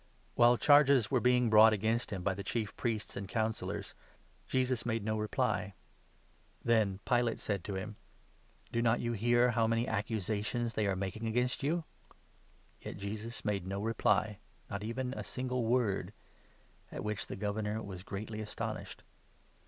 While charges were being brought against him by the Chief Priests and Councillors, Jesus made no reply. Then Pilate said to him :" Do not you hear how many accusations they are making against you ?" Yet Jesus made no reply — not even a single word ; at which the Governor was greatly astonished.